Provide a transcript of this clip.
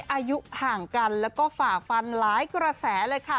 อายุห่างกันแล้วก็ฝ่าฟันหลายกระแสเลยค่ะ